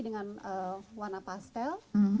dengan warna pastel